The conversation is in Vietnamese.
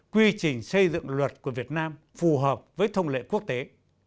quy trình xây dựng luật của việt nam phù hợp với thông lệ quốc tế